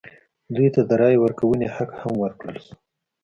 دوی ته د رایې ورکونې حق هم ورکړل شو.